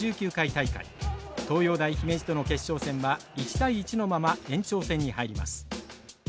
東洋大姫路との決勝戦は１対１のまま延長戦に入ります。